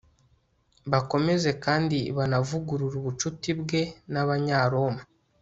bakomeza kandi banavugurure ubucuti bwe n'abanyaroma